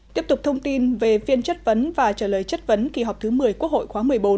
tiếp tục thông tin về phiên chất vấn và trả lời chất vấn kỳ họp thứ một mươi quốc hội khóa một mươi bốn